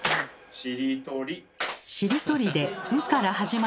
しりとり。